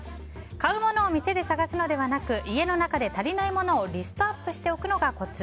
買うものを店で探すのではなく家の中で足りないものをリストアップしておくのがコツ。